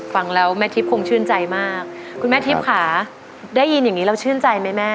ฟังแล้วแม่ทิพย์คงชื่นใจมากคุณแม่ทิพย์ค่ะได้ยินอย่างนี้เราชื่นใจไหมแม่